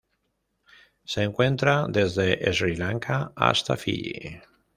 Se encuentra desde Sri Lanka hasta Fiyi.